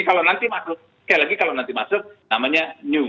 kalau nanti masuk sekali lagi kalau nanti masuk namanya new